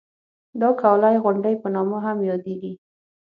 د کولالۍ غونډۍ په نامه هم یادېږي.